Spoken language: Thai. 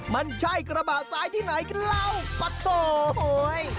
มันใช่กระบะซ้ายที่ไหนกันแล้วปะโถ่โฮย